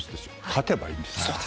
勝てばいいんです。